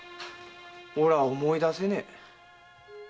おら思いだせねえ。